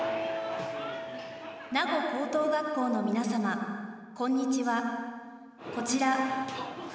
名護高等学校の皆さまこんにちは。